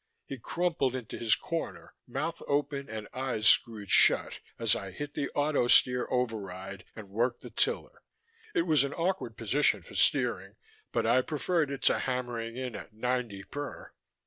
He crumpled into his corner, mouth open and eyes screwed shut, as I hit the auto steer override and worked the tiller. It was an awkward position for steering, but I preferred it to hammering in at ninety per.